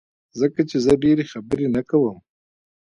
ځکه چي زه ډيری خبری نه کوم